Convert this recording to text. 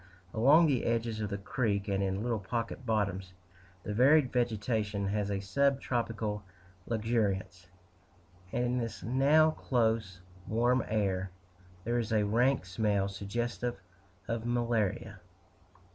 Along the edges of the Creek, and in little pocket bottoms, the varied vegetation has a sub tropical luxuriance, and in this now close, warm air, there is a rank smell suggestive of malaria.